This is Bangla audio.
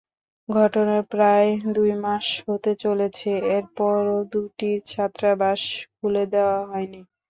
ঘটনার প্রায় দুই মাস হতে চলেছে, তারপরও দুটি ছাত্রাবাস খুলে দেওয়া হয়নি।